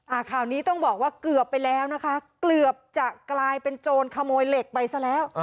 ข่าวนี้ต้องบอกว่าเกือบไปแล้วนะคะเกือบจะกลายเป็นโจรขโมยเหล็กไปซะแล้ว